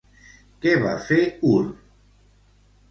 Què va fer Ur?